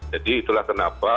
jadi itulah kenapa